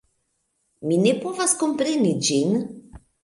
Mi ne povas kompreni ĝin